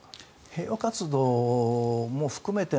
平和活動も含めて